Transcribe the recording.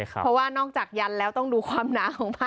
เพราะว่านอกจากยันแล้วต้องดูความหนาของผ้า